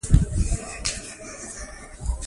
په ده نه ده جوړه.